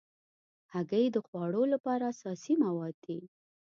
هګۍ د خواږو لپاره اساسي مواد دي.